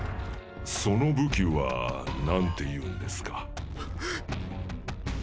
その武器は何て言うんですか？